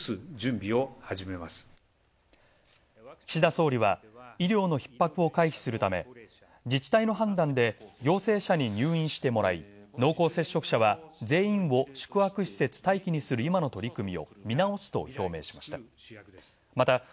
岸田総理は医療の逼迫を回避するため、自治体の判断で陽性者に入院してもらい、濃厚接触者は全員を宿泊施設待機にする今の取り組みを見直すと表明しました。